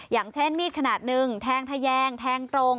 อย่างเช่นมีดขนาดหนึ่งแทงทะแยงแทงตรง